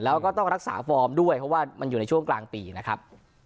แล้วก็ต้องรักษาฟอร์มด้วยเพราะว่ามันอยู่ในช่วงกลางปีนะครับ